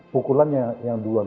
pukulannya itu dia yang duluan